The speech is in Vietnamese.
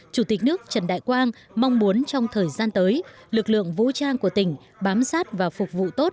chủ tịch nước trần đại quang mong muốn trong thời gian tới lực lượng vũ trang của tỉnh bám sát và phục vụ tốt